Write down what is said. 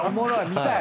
見たい！